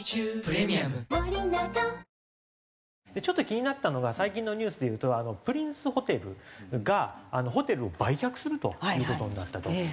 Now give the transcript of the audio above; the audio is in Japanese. ちょっと気になったのが最近のニュースでいうとプリンスホテルがホテルを売却するという事になったと。